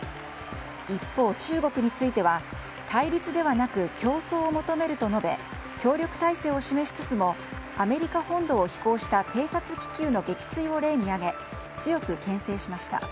一方、中国については対立ではなく競争を求めると述べ協力体制を示しつつもアメリカ本土を飛行した偵察気球の撃墜を例に挙げ強く牽制しました。